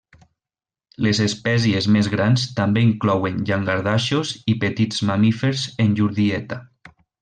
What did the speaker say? Les espècies més grans també inclouen llangardaixos i petits mamífers en llur dieta.